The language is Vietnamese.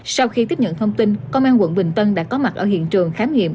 sau khi tiếp nhận thông tin công an quận bình tân đã có mặt ở hiện trường khám nghiệm